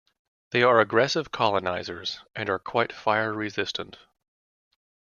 They are aggressive colonizers, and are quite fire resistant.